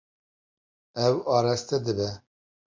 Ew araste dibe.